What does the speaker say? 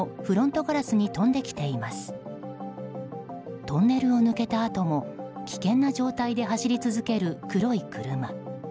トンネルを抜けたあとも危険な状態で走り続ける黒い車。